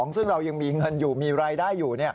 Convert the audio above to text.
ซึ่งเรายังมีเงินอยู่มีรายได้อยู่